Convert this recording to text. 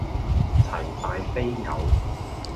齊大非偶